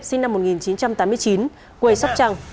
sinh năm một nghìn chín trăm tám mươi chín quê sóc trăng